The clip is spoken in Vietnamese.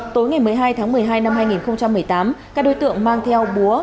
tối ngày một mươi hai tháng một mươi hai năm hai nghìn một mươi tám các đối tượng mang theo búa